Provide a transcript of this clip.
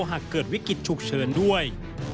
หากเกิดวิกฤตฉุกเฉินด้วย